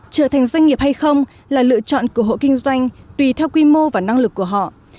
trở thành doanh nghiệp hay không là lựa chọn của hộ kinh doanh tùy theo quy mô và năng lực của họ